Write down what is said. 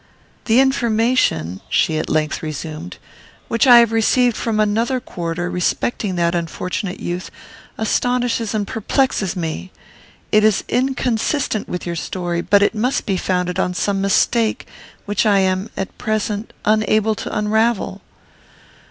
"The information," she at length resumed, "which I have received from another quarter respecting that unfortunate youth, astonishes and perplexes me. It is inconsistent with your story, but it must be founded on some mistake, which I am, at present, unable to unravel.